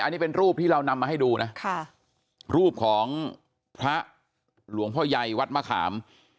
อันนี้เป็นรูปที่เรานำมาให้ดูนะค่ะรูปของพระหลวงพ่อใหญ่วัดมะขาม